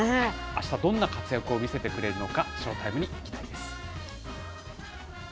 あした、どんな活躍を見せてくれるのか、ショータイムに期待です。